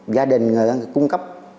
gia đình cung cấp